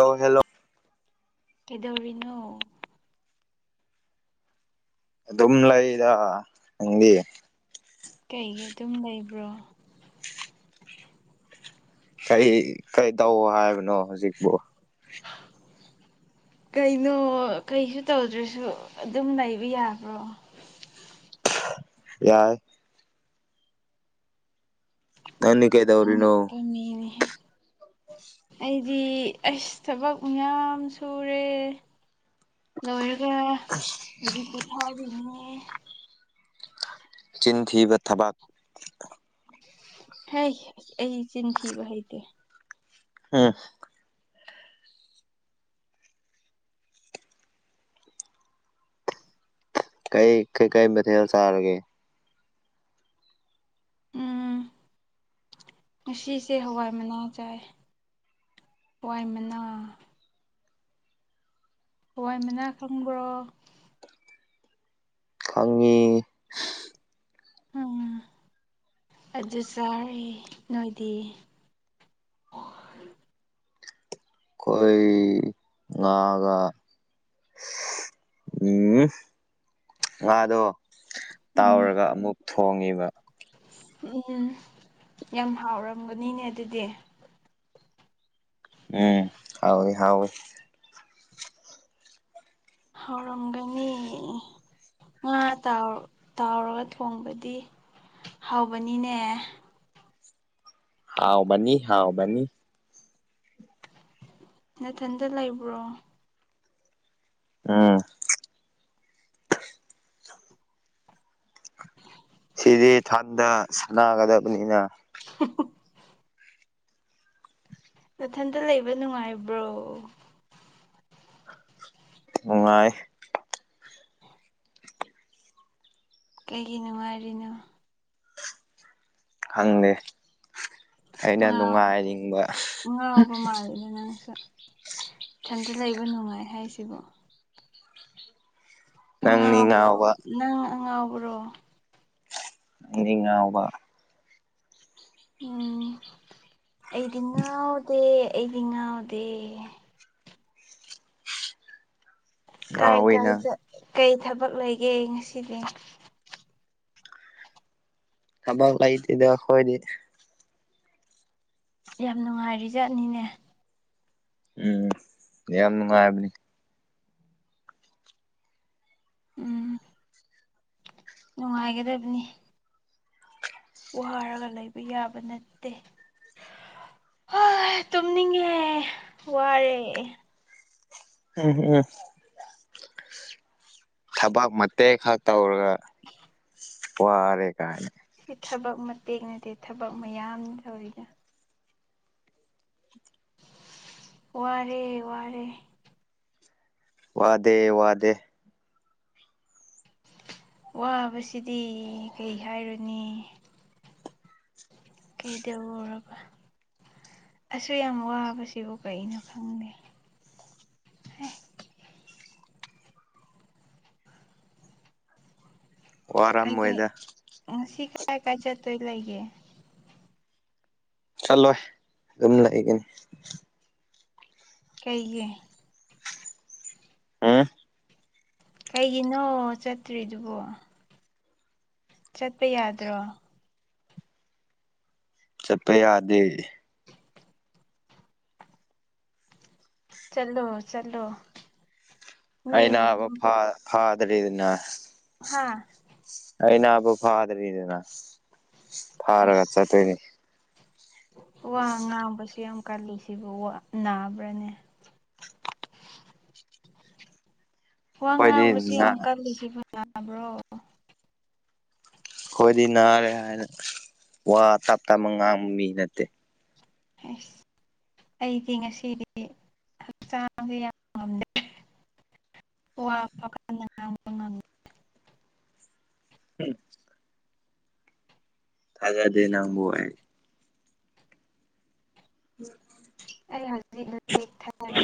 ꯑꯣ ꯍꯦꯜꯂꯣ ꯀꯗꯔꯤꯅꯣ ꯑꯗꯨꯝ ꯂꯩꯗ ꯅꯪꯗꯤ ꯀꯩꯒꯤ ꯑꯗꯨꯝ ꯂꯩꯕ꯭ꯔꯣ ꯀꯔꯤ ꯀꯩꯇꯧ ꯍꯥꯏꯕꯅꯣ ꯍꯧꯖꯤꯛꯄꯣ [inaudible] ꯀꯩꯅꯣ ꯀꯩꯁꯨ ꯇꯧꯗ꯭ꯔꯁꯨ ꯑꯗꯨꯝ ꯂꯩꯕ ꯌꯥꯕ꯭ꯔꯣ ꯌꯥꯏ ꯅꯪꯗꯤ ꯎꯝ ꯀꯩꯗꯧꯔꯤꯅꯣ ꯑꯦꯝ ꯃꯦ ꯅꯤ ꯍꯦ ꯑꯩꯗꯤ ꯑꯩꯁ ꯊꯕꯛ ꯌꯥꯝ ꯁꯨꯔꯦ ꯂꯣꯏꯔꯒ ꯑꯥꯁ ꯖꯤ ꯀꯊꯥ ꯅꯦ ꯆꯤꯟ ꯊꯤꯕ ꯊꯕꯛ ꯍ ꯑꯩ ꯆꯤꯟꯊꯤꯕ ꯍꯥꯏꯩꯗꯤꯦ ꯑ ꯀꯩ ꯀꯩꯀꯩ ꯃꯊꯦꯜ ꯆꯥꯔꯒꯦ ꯎꯝ [inaudible] ꯉꯁꯤꯁꯦ ꯍꯋꯥꯏ ꯃꯅꯥ ꯆꯥꯏ ꯍꯋꯥꯏ ꯃꯅꯥ ꯍꯋꯥꯏ ꯃꯅꯥ ꯈꯪꯕ꯭ꯔꯣ ꯈꯪꯉꯦ ꯎꯝ ꯑꯗꯨ ꯆꯥꯔꯦ ꯅꯣꯏꯗꯤ ꯈꯣꯏ ꯉꯥꯒ ꯎꯝ ꯉꯥꯗꯣ ꯎꯝ ꯇꯥꯎꯔꯒ ꯑꯃꯨꯛ ꯊꯣꯡꯉꯤꯕ ꯎꯝ ꯌꯥꯝ ꯍꯥꯎꯔꯝꯒꯅꯤꯅꯦ ꯑꯗꯨꯗꯤ ꯎꯝ ꯍꯥꯎꯏ ꯍꯥꯎꯏ ꯍꯥꯎꯔꯝꯒꯅꯤ ꯉꯥ ꯇꯥꯎ ꯇꯥꯎꯔꯒ ꯊꯣꯡꯕꯗꯤ ꯍꯥꯎꯕꯅꯤꯅꯦ ꯍꯥꯎꯕꯅꯤ ꯍꯥꯎꯕꯅꯤ ꯅꯊꯟꯇ ꯂꯩꯕ꯭ꯔꯣ ꯎꯝ ꯗꯦ ꯊꯟꯗ ꯁꯥꯟꯅꯒꯗꯕꯅꯤꯅ [inaudible] ꯅꯊꯟꯇ ꯂꯩꯕ ꯅꯨꯡꯉꯥꯏꯕ꯭ꯔꯣ ꯅꯨꯡꯉꯥꯏ ꯀꯩꯒꯤ ꯅꯨꯡꯉꯥꯏꯔꯤꯅꯣ ꯈꯪꯗꯦ ꯑꯩꯅ ꯉꯥꯎ ꯅꯨꯡꯉꯥꯏꯅꯤꯡꯕ ꯉꯥꯎꯕ ꯊꯟꯗ ꯂꯩꯕ ꯅꯨꯡꯉꯥꯏ ꯍꯥꯏꯁꯤꯕꯣ ꯅꯪꯅꯤ ꯑꯉꯥꯎꯕꯔꯣ ꯉꯥꯎꯕ ꯅꯪ ꯑꯉꯥꯎꯕꯔꯣ ꯑꯩꯗꯤ ꯉꯥꯎꯕ ꯎꯝ ꯑꯩꯗꯤ ꯉꯥꯎꯗꯦ ꯑꯩꯗꯤ ꯉꯥꯎꯗꯦ ꯀꯥꯏ ꯉꯥꯎꯋꯤ ꯀꯥꯏ ꯅꯪ ꯆꯠ ꯀꯩ ꯊꯕꯛ ꯂꯩꯒꯦ ꯉꯁꯤꯗꯤ ꯊꯕꯛ ꯂꯩꯇꯦꯗ ꯈꯣꯏꯗꯤ ꯌꯥꯝ ꯅꯨꯡꯉꯥꯏꯔꯤ ꯖꯥꯠꯅꯤꯅꯦ ꯎꯝ ꯌꯥꯝ ꯅꯨꯡꯉꯥꯏꯕꯅꯤ ꯎꯝ ꯅꯨꯡꯉꯥꯏꯒꯗꯕꯅꯤ ꯋꯥꯔꯒ ꯂꯩꯕ ꯌꯥꯕ ꯅꯠꯇꯦ ꯍꯣꯏ ꯇꯨꯝꯅꯤꯡꯉꯦ ꯋꯥꯔꯦ ꯎꯝ ꯎꯝ ꯊꯕꯛ ꯃꯇꯦꯛ ꯈꯔ ꯇꯧꯔꯒ ꯋꯥꯔꯦ ꯀꯥꯏꯅ ꯁꯤ ꯊꯕꯛ ꯃꯇꯦꯡ ꯅꯠꯇꯦ ꯊꯕꯛ ꯃꯌꯥꯝ ꯇꯧꯔꯤꯅ ꯋꯥꯔꯦ ꯋꯥꯔꯦ ꯋꯥꯗꯦ ꯋꯥꯗꯦ ꯋꯥꯕꯁꯤꯗꯤ ꯀꯩ ꯍꯥꯏꯔꯨꯅꯤ ꯀꯩꯗꯧꯔꯕ ꯑꯁꯨ ꯌꯥꯝ ꯋꯥꯕꯁꯤꯕꯨ ꯀꯩꯅꯣ ꯈꯪꯗꯦ ꯑꯦ ꯀꯥꯏ ꯀꯥꯏ ꯋꯥꯔꯝꯃꯣꯏꯗ ꯎ ꯁꯤ ꯀꯥꯏ ꯀꯥꯏ ꯆꯠꯇꯣꯏ ꯂꯩꯒꯦ ꯆꯠꯂꯣꯏ ꯑꯗꯨꯝ ꯂꯩꯒꯅꯤ ꯀꯩꯒꯤ ꯍꯝ ꯀꯩꯒꯤꯅꯣ ꯆꯠꯇ꯭ꯔꯤꯗꯨꯕꯣ ꯆꯠꯄ ꯌꯥꯗ꯭ꯔꯣ ꯆꯠꯄ ꯌꯥꯗꯦ ꯆꯠꯂꯣ ꯆꯠꯂꯣ ꯑꯩ ꯃꯤꯕꯨ ꯅꯥꯕ ꯑꯗꯨꯝ ꯐ ꯐꯗ꯭ꯔꯤꯗꯅ ꯍꯥꯥ ꯑꯩ ꯅꯥꯕꯨ ꯐꯥꯗ꯭ꯔꯤꯗꯅ ꯐꯥꯔꯒ ꯑꯁ ꯆꯠꯇꯣꯏꯅꯤ ꯋꯥ ꯉꯥꯡꯕꯁꯨ ꯌꯥꯝ ꯀꯜꯂꯤ ꯁꯤꯕꯨ ꯅꯥꯕ꯭ꯔꯅꯦ ꯋꯥ ꯑꯩꯈꯣꯏꯗꯤ ꯉꯥꯡꯕꯁꯤ ꯅꯥ ꯌꯥꯝ ꯀꯜꯂꯤꯁꯦ ꯌꯥꯕ꯭ꯔꯣ ꯑꯩꯣꯏꯗꯤ ꯅꯥꯔꯦ ꯍꯥꯏꯅ ꯋꯥ ꯇꯞ ꯇꯞꯅ ꯉꯥꯡꯕ ꯃꯤ ꯅꯠꯇꯦ ꯑꯥꯁ ꯑꯩꯗꯤ ꯉꯁꯤꯗꯤ ꯍꯛꯆꯥꯡꯁꯦ ꯌꯥꯝ ꯉꯝꯗꯦ ꯑꯣ ꯎꯝ ꯇꯖꯥꯗꯦ ꯅꯪꯕꯣꯏ ꯎꯨ ꯑꯩ ꯍꯧꯖꯤꯛ ꯑꯗꯨꯊꯔꯦ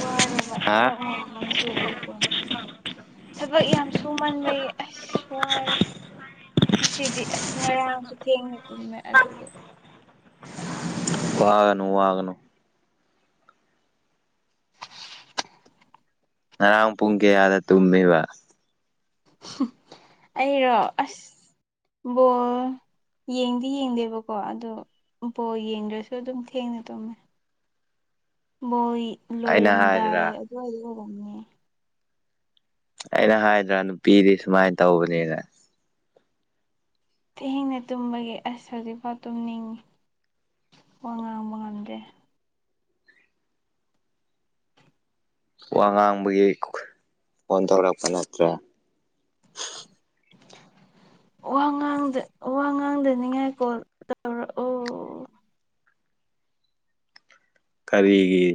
ꯋꯥꯔꯦꯕꯥ ꯍꯥ ꯆꯕ ꯌꯥꯝꯥꯡꯁꯨꯣ ꯊꯕꯛ ꯌꯥꯝ ꯁꯨꯃꯟꯕꯩ ꯑꯁ ꯋꯥꯔꯦ ꯉꯁꯤꯗꯤ ꯑꯁ ꯉꯔꯥꯡꯁꯨ ꯊꯦꯡꯅ ꯄꯨꯝꯃꯦ ꯑꯗꯨꯒꯤ ꯋꯥꯒꯅꯨ ꯋꯥꯒꯅꯨ ꯉꯔꯥꯡ ꯄꯨꯡ ꯀꯌꯥꯗ ꯇꯨꯝꯃꯤꯕ ꯑꯩꯔꯣ ꯑꯁꯕꯣ ꯌꯦꯡꯗꯤ ꯌꯦꯡꯗꯦꯕꯀꯣ ꯑꯗꯣꯕꯣ ꯌꯦꯡꯗ꯭ꯔꯁꯨ ꯑꯗꯨꯝ ꯊꯦꯡꯅ ꯇꯨꯝꯃꯦ ꯕꯣꯏ ꯑꯩꯅ ꯍꯥꯏꯗ꯭ꯔꯥ ꯂꯣꯏꯔꯝꯗꯥꯏ ꯑꯗꯨꯋꯥꯏꯗ ꯑꯣꯏꯧꯕꯅꯦ ꯑꯩꯅ ꯍꯥꯏꯗ꯭ꯔꯥ ꯅꯨꯄꯤꯗꯤ ꯁꯨꯃꯥꯏꯅ ꯇꯧꯕꯅꯦꯅ ꯊꯦꯡꯅ ꯇꯨꯝꯕꯒꯤ ꯑꯁ ꯍꯧꯖꯤꯛꯐꯥꯎ ꯇꯨꯝꯅꯤꯡꯉꯤ ꯋꯥ ꯉꯥꯡꯕ ꯉꯝꯗ꯭ꯔꯦ ꯋꯥ ꯉꯥꯡꯕꯒꯤ ꯐꯣꯟ ꯇꯧꯔꯛꯄ ꯅꯠꯇ꯭ꯔꯥ ꯋꯥ ꯉꯥꯡꯗ ꯋꯥ ꯉꯥꯡꯗꯅꯤꯡꯉꯥꯏ ꯀꯣꯜ ꯇꯧꯔꯛꯑꯣ ꯀꯔꯤꯒꯤ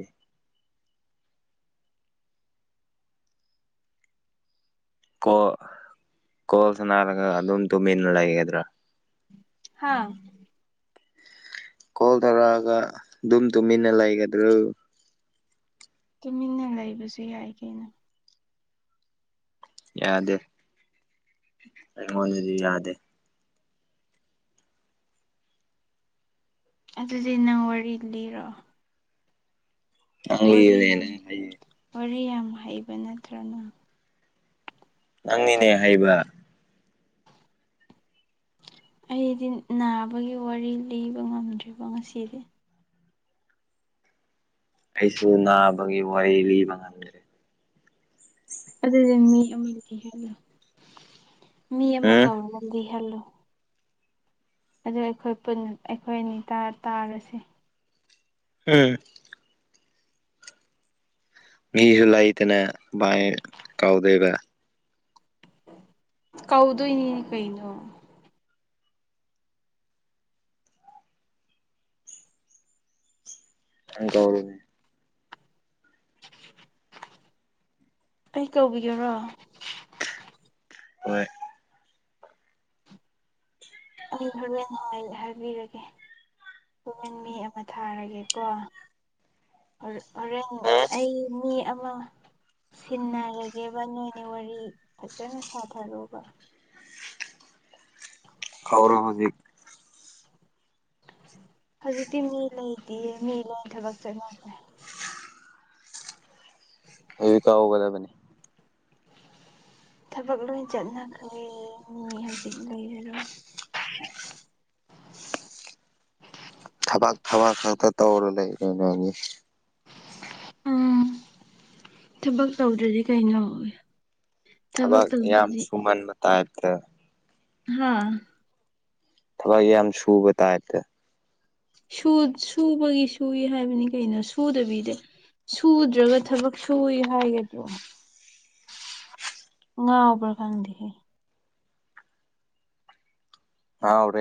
ꯀꯣꯜ ꯀꯣꯜ ꯁꯥꯟꯔꯒ ꯑꯗꯨꯝ ꯇꯨꯃꯤꯟꯅ ꯂꯩꯒꯗ꯭ꯔꯥ ꯍꯥꯥ ꯀꯣꯜ ꯇꯧꯔꯛꯑꯒ ꯑꯗꯨꯝ ꯇꯨꯃꯤꯟꯅ ꯂꯩꯒꯗ꯭ꯔꯣ ꯇꯨꯃꯤꯟꯅ ꯂꯩꯕꯁꯨ ꯌꯥꯏ ꯀꯩꯅꯣ ꯌꯥꯗꯦ ꯑꯩꯉꯣꯟꯗꯗꯤ ꯌꯥꯗꯦ ꯑꯗꯨꯗꯤ ꯅꯪ ꯋꯥꯔꯤ ꯂꯤꯔꯣ ꯅꯪ ꯋꯥꯔꯤ ꯂꯤꯌꯨꯅꯦ ꯌꯥꯝ ꯅꯪ ꯍꯩꯌꯦ ꯋꯥꯔꯤ ꯌꯥꯝ ꯍꯩꯕ ꯅꯠꯇ꯭ꯔꯅ ꯅꯪꯅꯤꯅꯦ ꯍꯩꯕ ꯑꯩꯗꯤ ꯅꯥꯕꯒꯤ ꯋꯥꯔꯤ ꯂꯤꯕ ꯉꯝꯗ꯭ꯔꯤꯕ ꯉꯁꯤꯗꯤ ꯑꯩꯁꯨ ꯅꯥꯕꯒꯤ ꯋꯥꯔꯤ ꯂꯤꯕ ꯉꯝꯗ꯭ꯔꯦ ꯑꯗꯨꯗꯤ ꯃꯤ ꯑꯃꯍꯜꯂꯨ ꯃꯤ ꯑꯃ ꯎꯝ ꯀꯧꯔꯒꯗꯤꯍꯜꯂꯨ ꯑꯗꯨ ꯑꯩꯈꯣꯏ ꯄꯨꯟꯅ ꯑꯩꯈꯣꯏ ꯑꯅꯤ ꯇꯥꯔꯁꯤ ꯎꯝ ꯃꯤꯁꯨ ꯂꯩꯇꯅ ꯥꯏ ꯀꯥꯎꯗꯣꯏꯕ ꯀꯧꯗꯣꯏꯅꯤꯅꯦ ꯀꯩꯅꯣ ꯪꯀꯔ ꯑꯩ ꯀꯧꯕꯤꯒꯔꯣ ꯍꯣꯏ ꯑꯩ ꯍꯣꯔꯦꯟ ꯍꯥꯏꯕꯤꯔꯒꯦ ꯍꯣꯔꯦꯟ ꯃꯤ ꯑꯃ ꯊꯥꯔꯒꯦꯀꯣ ꯍꯣꯔꯦꯟ ꯎꯝ ꯑꯩ ꯃꯤ ꯑꯃ ꯁꯤꯟꯅꯔꯒꯦꯕ ꯅꯣꯏꯅ ꯋꯥꯔꯤ ꯐꯖꯅ ꯁꯥꯊꯔꯨꯕ ꯈꯔ ꯍꯧꯖꯤꯛ ꯍꯧꯖꯤꯛꯇꯤ ꯃꯤ ꯂꯩꯇꯦꯌꯦ ꯃꯤ ꯂꯩ ꯊꯕꯛ ꯆꯠꯅꯔꯦ ꯍꯧ ꯀꯥꯎꯒꯗꯕꯅꯤ ꯊꯕꯛ ꯂꯣꯏ ꯆꯠꯅꯈ꯭ꯔꯦ ꯃꯤ ꯍꯧꯖꯤꯛ ꯂꯩꯔꯔꯣꯏ [inaudible] ꯊꯕꯛ ꯊꯕꯥꯛ ꯈꯛꯇ ꯇꯧꯔ ꯂꯩꯔꯅ ꯍꯥꯏꯅꯤ ꯎꯝ ꯊꯕꯛ ꯇꯧꯗ꯭ꯔꯗꯤ ꯀꯩꯅꯣꯋ ꯊꯕꯛ ꯌꯥꯝ ꯁꯨꯃꯟꯕ ꯇꯥꯏꯞꯇ ꯍꯥꯥ ꯊꯕꯛ ꯌꯥꯝ ꯁꯨꯕ ꯇꯥꯏꯗ ꯁꯨꯕꯒꯤ ꯁꯨꯏ ꯍꯥꯏꯕꯅꯤ ꯀꯩꯅꯣ ꯁꯨꯗꯕꯤꯗ ꯁꯨꯗ꯭ꯔꯒ ꯊꯕꯛ ꯁꯨꯏ ꯍꯥꯏꯒꯗ꯭ꯔꯣ ꯉꯥ ꯎꯕꯔ ꯈꯪꯗ ꯍ ꯑ꯭ꯔꯦ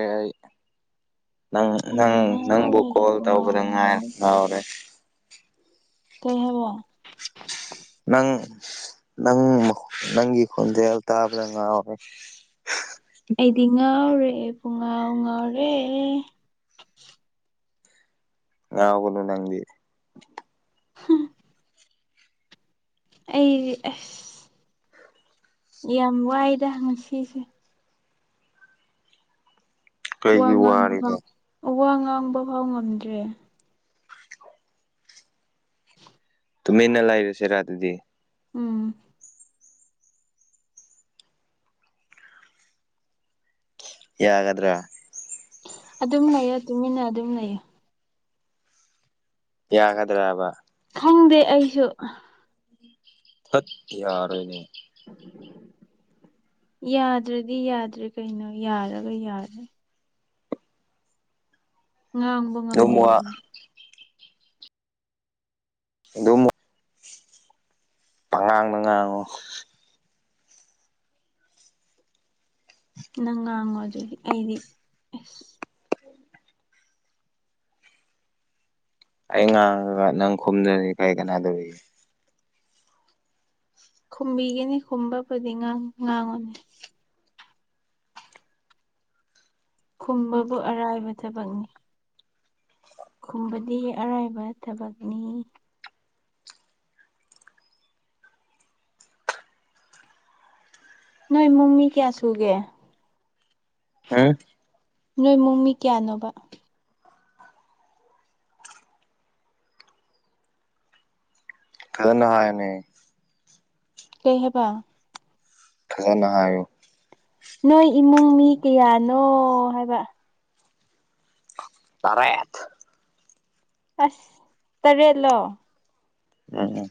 ꯅꯪ ꯅꯪ ꯑꯩꯗꯤ ꯅꯪꯕꯨ ꯉꯥꯎꯔꯦ ꯀꯣꯜ ꯇꯧꯕꯗ ꯉꯥꯏ ꯄꯨꯡꯉꯥꯎ ꯉꯥꯎꯔꯦ ꯀꯣꯍ ꯅꯪ ꯅꯪ ꯅꯪꯒꯤ ꯈꯣꯟꯖꯦꯜ ꯇꯥꯕꯗ ꯉꯥꯎꯔꯦ ꯑꯩꯗꯤ ꯉꯥꯎꯔꯦ ꯄꯨꯡ ꯉꯥꯎ ꯉꯥꯎꯔꯦ ꯉꯒꯒꯅꯨ ꯅꯪꯕꯤ ꯑꯩ ꯑꯦꯁ ꯌꯥꯝ ꯋꯥꯏꯗ ꯉꯁꯤꯁꯦ ꯋꯥ ꯀꯩꯒꯤ ꯉꯥꯡꯕ ꯋꯥꯔꯤꯅꯣ ꯐꯥꯎ ꯋꯥ ꯉꯥꯡꯕ ꯐꯥꯎ ꯉꯝꯗ꯭ꯔꯦ ꯇꯨ ꯃꯦꯅ ꯂꯥꯏꯔꯨꯁꯦ ꯔꯥꯗꯤ ꯎꯝ ꯌꯥꯒꯗ꯭ꯔꯥ ꯑꯗꯨꯝ ꯂꯩꯌꯦ ꯇꯨꯃꯤꯟꯅ ꯑꯗꯨꯝ ꯂꯩꯌꯦ ꯌꯥꯒꯗ꯭ꯔꯕ ꯈꯪꯗꯦ ꯑꯩꯁꯨ ꯊꯠꯇ ꯌꯥꯔ ꯑꯣꯏꯅꯦ ꯌꯥꯗ꯭ꯔꯗꯤ ꯌꯥꯗ꯭ꯔꯦ ꯀꯩꯅꯣ ꯌꯥꯔꯒ ꯌꯥꯔꯦ ꯉꯥꯡꯕ ꯑꯗꯨꯝ ꯋꯥ ꯉꯝꯗꯕꯒꯤ ꯑꯗꯨꯝ ꯄꯉꯥꯡꯅ ꯉꯥꯡꯉꯨ ꯅꯪ ꯉꯥꯡꯉꯣ ꯑꯗꯨꯗꯤ ꯑꯩꯗꯤ ꯑꯁ ꯑꯩ ꯉꯥꯡꯉꯒ ꯅꯪ ꯈꯨꯝꯗ꯭ꯔꯗꯤ ꯀꯔꯤ ꯀꯅꯥꯗꯧꯔꯤꯒꯦ ꯈꯨꯝꯕꯤꯒꯅꯤ ꯈꯨꯝꯕꯕꯨꯗꯤ ꯉꯥꯡꯉꯨꯅꯦ ꯈꯨꯝꯕꯕꯨ ꯑꯔꯥꯏꯕ ꯊꯕꯛꯅꯤ ꯈꯨꯝꯕꯗꯤ ꯑꯔꯥꯏꯕ ꯊꯕꯛꯅꯤ ꯅꯣꯏ ꯏꯃꯨꯡ ꯃꯤ ꯀꯌꯥꯁꯨꯒꯦ ꯍꯥ ꯅꯣꯏꯃꯨꯡ ꯃꯤ ꯀꯌꯥꯅꯣꯕ ꯊꯗꯅ ꯍꯥꯏꯅꯦ ꯀꯩ ꯍꯥꯏꯕ ꯊꯖꯅ ꯍꯥꯏꯨ ꯅꯣꯏ ꯏꯃꯨꯡ ꯃꯤ ꯀꯌꯥꯅꯣ ꯍꯥꯏꯕ ꯇꯔꯦꯠ ꯑꯁ ꯇꯔꯦꯠꯂꯣ ꯎꯝ ꯎꯝ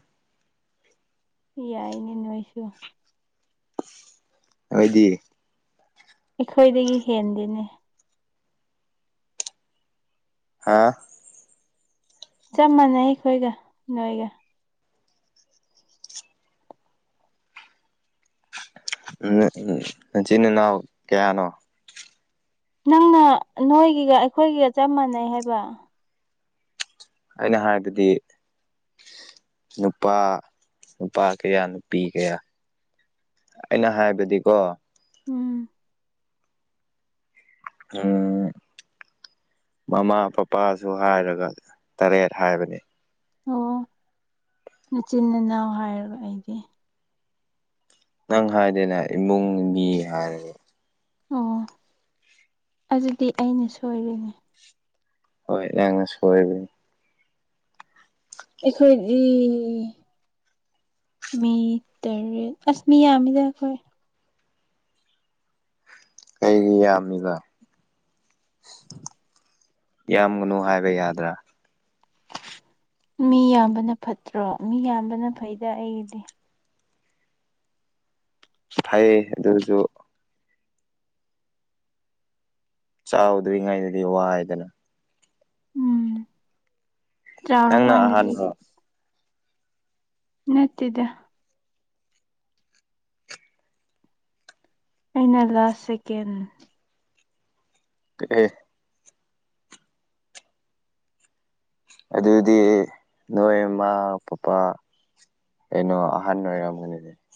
ꯌꯥꯏꯅꯦ ꯅꯣꯏꯁꯨ ꯅꯣꯏꯗꯤ ꯑꯩꯈꯣꯏꯗꯒꯤ ꯍꯦꯟꯗꯤꯦꯅꯦ ꯍꯥꯥ ꯆꯞ ꯃꯥꯟꯅꯩ ꯑꯩꯈꯣꯏꯒ ꯅꯣꯏꯒ ꯃꯆꯤꯟ ꯏꯅꯥꯎ ꯀꯌꯥꯅꯣ ꯅꯪꯅ ꯅꯣꯏꯒꯤꯒ ꯑꯩꯈꯣꯏꯒꯤꯒ ꯆꯞ ꯃꯥꯟꯅꯩ ꯍꯥꯏꯕ ꯑꯩꯅ ꯍꯥꯏꯕꯗꯤ ꯅꯨꯄꯥ ꯅꯨꯄꯥ ꯀꯌꯥ ꯅꯨꯄꯤ ꯀꯌꯥ ꯑꯩꯅ ꯍꯥꯏꯕꯗꯤꯀꯣ ꯎꯝ [unintelligible] ꯎꯝ [unintelligible] ꯃꯃꯥ ꯄꯄꯥꯁꯨ ꯍꯥꯏꯔꯒ ꯇꯔꯦꯠ ꯍꯥꯏꯕꯅꯤ ꯑꯣ ꯃꯆꯤꯟ ꯏꯅꯥꯎ ꯍꯥꯏꯔꯕ ꯑꯩꯒꯤ ꯅꯪ ꯍꯥꯏꯗꯅ ꯏꯃꯨꯡ ꯃꯤ ꯍꯥꯏꯔ ꯑꯣ ꯑꯗꯨꯗꯤ ꯑꯩꯅ ꯁꯣꯏꯔꯤꯅꯦ ꯍꯣꯏ ꯑꯦꯅꯁꯨ ꯑꯣꯏꯣꯏꯕꯤ ꯑꯩꯈꯣꯏꯒꯤ ꯃꯤꯇ ꯑꯁ ꯃꯤ ꯌꯥꯃꯤꯗꯈꯣꯏ ꯑꯩꯗꯤ ꯌꯥꯝꯃꯤꯗ ꯌꯥꯝꯒꯅꯨ ꯍꯥꯏꯕ ꯌꯥꯗ꯭ꯔꯥ ꯃꯤ ꯌꯥꯝꯕꯅ ꯐꯠꯇ꯭ꯔꯣ ꯃꯤ ꯌꯥꯝꯕꯅ ꯐꯩꯗ ꯑꯩꯒꯤꯗꯤ ꯐꯩ ꯑꯗꯨꯁꯨ ꯆꯥꯎꯗ꯭ꯔꯤꯉꯩꯗꯗꯤ ꯋꯥꯏꯗꯅ ꯎꯝ ꯅꯪꯅ ꯆꯥꯎꯔꯀꯥꯟꯗꯗꯤ ꯑꯍꯥꯟꯕ ꯅꯠꯇꯗ ꯑꯩꯅ ꯂꯥꯁ ꯁꯦꯀꯦꯟ ꯀꯑꯦ ꯑꯗꯨꯗꯤ ꯅꯣꯏꯃꯥ ꯄꯄꯥ ꯀꯩꯅꯣ ꯑꯍꯥꯟꯕ ꯑꯣꯏꯔꯝꯒꯅꯤꯅꯦ